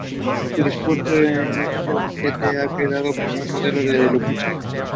The bank covered the loss from its reserves.